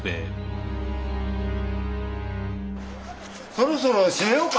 そろそろ閉めようか。